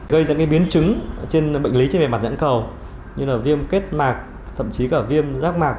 gây ra biến chứng trên bệnh lý trên bề mặt dẫn cầu như là viêm kết mạc thậm chí cả viêm rác mạc